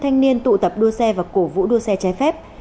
thanh niên tụ tập đua xe và cổ vũ đua xe trái phép